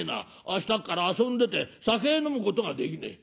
明日っから遊んでて酒飲むことができねえ」。